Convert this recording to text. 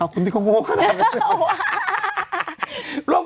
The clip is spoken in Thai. อ๋อคุณพี่เค้ืงโรคตัน